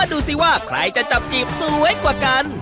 ดูสิว่าใครจะจับจีบสวยกว่ากัน